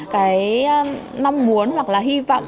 cái mong muốn hoặc là hy vọng